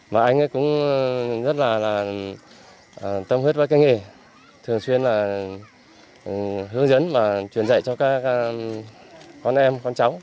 mà anh ấy cũng rất là tâm huyết với cái nghề thường xuyên là hướng dẫn và truyền dạy cho các con em con cháu